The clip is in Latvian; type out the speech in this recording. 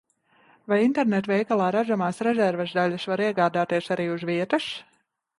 Vai internetveikalā redzamās rezerves daļas var iegādāties arī uz vietas?